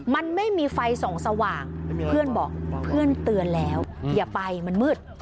มันไม่มีไฟส่องสว่างเพื่อนบอกเพื่อนเตือนแล้วอย่าไปมันมืด